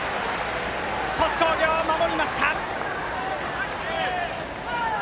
鳥栖工業、守りました！